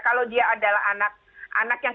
kalau dia adalah anak anak yang